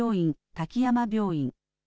滝山病院。